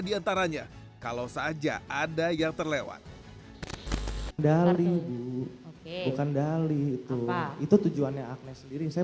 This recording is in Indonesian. diantaranya kalau saja ada yang terlewat dali bu bukan dali itu itu tujuannya agnes sendiri saya